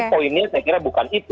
poinnya saya kira bukan itu